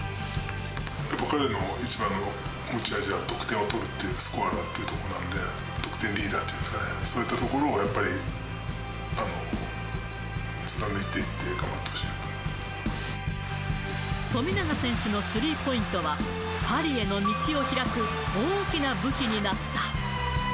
彼の一番の持ち味は、得点を取るっていうスコアだってとこなんで、得点リーダーっていうんですかね、そういったところをやっぱり、貫いていって、富永選手のスリーポイントは、パリへの道をひらく大きな武器になった。